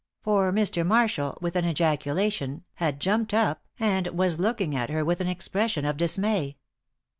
For Mr. Marshall, with an ejaculation, had jumped up and was looking at her with an expression of dismay.